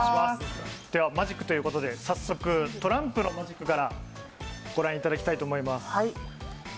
マジックということで早速トランプのマジックからご覧いただきたいと思います。